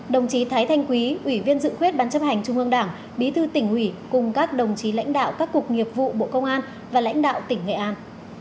đồng chí thái thanh quý ủy viên dự khuyết ban chấp hành trung ương đảng bí thư tỉnh ủy cùng các đồng chí lãnh đạo các cục nghiệp vụ bộ công an và lãnh đạo tỉnh nghệ an